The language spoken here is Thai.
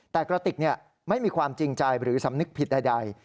แต่กระติกไม่มีความจริงใจหรือสำนึกผิดใด